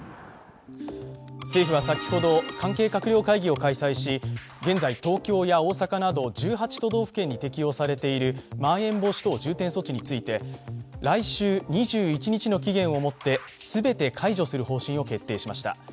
政府は先ほど関係閣僚会議を開催し現在、東京や大阪など１８都道府県に適用されているまん延防止等重点措置について来週２１日の期限をもって全て解除する方針を決定しました